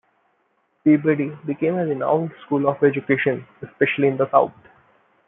Peabody became a renowned school of education, especially in the South.